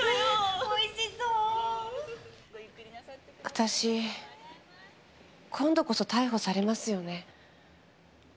私今度こそ逮捕されますよね？